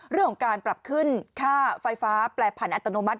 เรื่องของการปรับขึ้นค่าไฟฟ้าแปรผันอัตโนมัติ